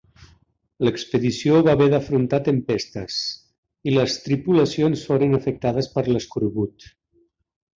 L'expedició va haver d'afrontar tempestes i les tripulacions foren afectades per l'escorbut.